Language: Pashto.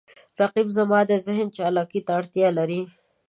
رقیب زما د ذهن چالاکي ته اړتیا لري